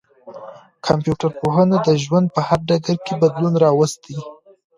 کمپيوټر پوهنه د ژوند په هر ډګر کي بدلون راوستی.